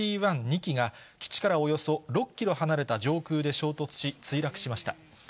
１、２機が基地からおよそ６キロ離れた上空で衝突し、墜落しました。